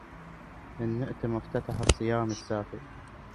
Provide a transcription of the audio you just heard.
هنئت مفتتح الصيام السافر